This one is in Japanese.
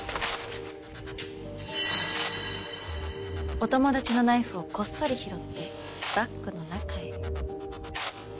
お友達のナイフをこっそり拾ってバッグの中へ。